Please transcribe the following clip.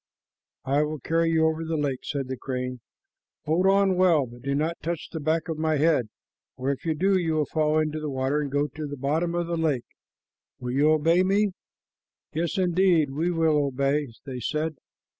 "I will carry you over the lake," said the crane. "Hold on well, but do not touch the back of my head, for if you do, you will fall into the water and go to the bottom of the lake. Will you obey me?" "Yes, indeed, we will obey," they said.